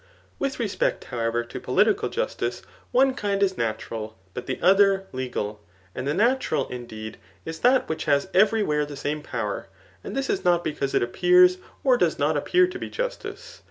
With respect, however, to political justice, one kind is natural, but the other legale And the natural, indeed, is that which has every where the same power, and this not because it appears or does not appear to be justice.